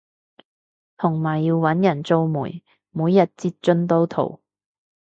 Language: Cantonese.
同埋要搵人做媒每日截進度圖